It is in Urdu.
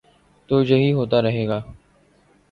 تو یہی ہو تا رہے گا۔